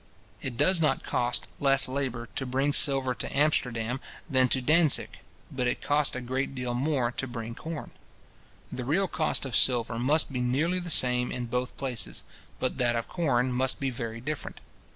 It does not cost less labour to bring silver to Amsterdam than to Dantzic; but it costs a great deal more to bring corn. The real cost of silver must be nearly the same in both places; but that of corn must be very different.